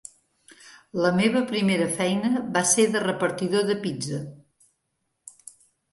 La meva primera feina va ser de repartidor de pizza.